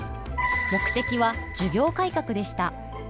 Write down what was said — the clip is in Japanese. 目的は授業改革でした。